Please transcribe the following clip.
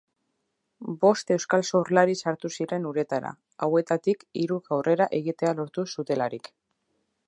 Bost euskal surflari sartu ziren uretara, hauetatik hiruk aurrera egitea lortu zutelarik.